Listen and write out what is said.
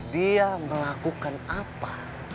dia melakukan apa